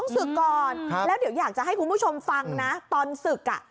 ศึกก่อนแล้วเดี๋ยวอยากจะให้คุณผู้ชมฟังนะตอนศึกอ่ะ